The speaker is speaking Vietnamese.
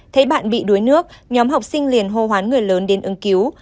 thấy bạn bị đuối nước nhóm học sinh liền hô hoán người lớn đến ứng cứu